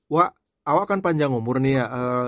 wak awak kan panjang umur nih ya